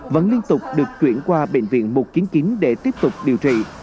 vẫn liên tục được chuyển qua bệnh viện một trăm chín mươi chín để tiếp tục điều trị